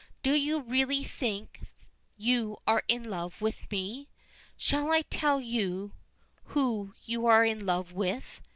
"Do you really think you are in love with me? Shall I tell you who you are in love with?"